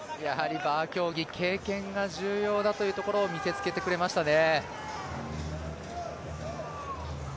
バー競技経験が重要だというところを見せつけてくれましたね。